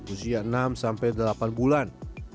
usia enam sampai delapan bulan